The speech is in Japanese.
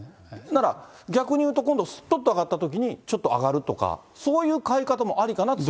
なら、逆にいうと今度、すっと上がったときに、ちょっと上がるとか、そういう買い方もありかなと。